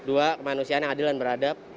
dua kemanusiaan yang adilan beradab